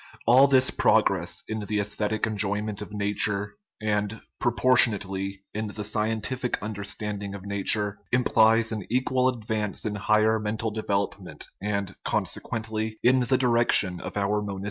All this progress in the aesthetic enjoyment of nature and, proportion ately, in the scientific understanding of nature implies an equal advance in higher mental development and, consequently, in the direction of our monistic religion.